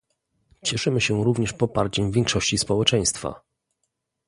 Cieszymy się również poparciem większości społeczeństwa